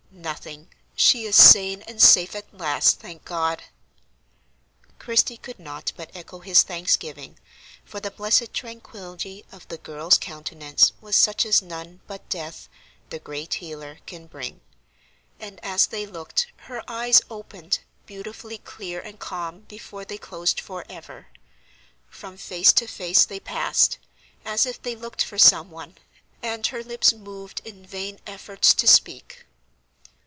"Nothing; she is sane and safe at last, thank God!" Christie could not but echo his thanksgiving, for the blessed tranquillity of the girl's countenance was such as none but death, the great healer, can bring; and, as they looked, her eyes opened, beautifully clear and calm before they closed for ever. From face to face they passed, as if they looked for some one, and her lips moved in vain efforts to speak.